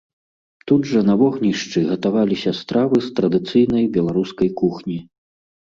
Тут жа на вогнішчы гатаваліся стравы з традыцыйнай беларускай кухні.